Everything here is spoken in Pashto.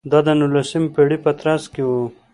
دا د نولسمې پېړۍ په ترڅ کې و.